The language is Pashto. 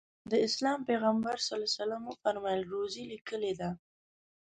د اسلام پیغمبر ص وفرمایل روزي لیکلې ده.